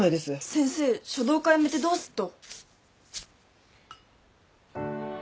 先生書道家辞めてどうすっと？